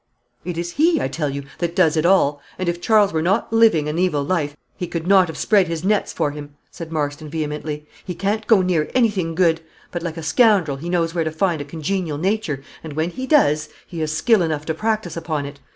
"It is he, I tell you, that does it all; and if Charles were not living an evil life, he could not have spread his nets for him," said Marston, vehemently. "He can't go near anything good; but, like a scoundrel, he knows where to find a congenial nature; and when he does, he has skill enough to practice upon it.